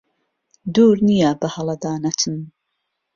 دوور نییە بەهەڵەدا نەچم